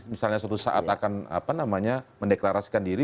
misalnya suatu saat akan mendeklarasikan diri